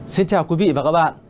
xin chào quý vị và các bạn